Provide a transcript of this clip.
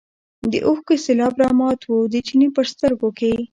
د اوښکو سېلاب رامات و د چیني په سترګو کې.